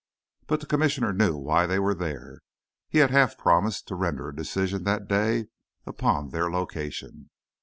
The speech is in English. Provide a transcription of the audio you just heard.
But the Commissioner knew why they were there. He had half promised to render a decision that day upon their location.